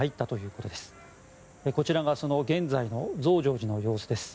こちらがその現在の増上寺の様子です。